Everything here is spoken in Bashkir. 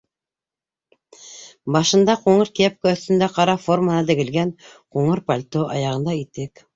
Башында ҡуңыр кепка, өҫтөндә ҡала формаһына тегелгән ҡуңыр пальто, аяғында итек.